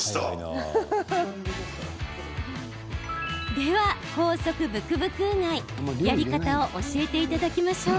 では高速ブクブクうがいやり方を教えていただきましょう。